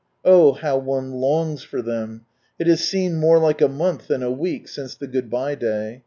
Oh, how one longs for them ! It has seemed like a month than a week since the good bye day.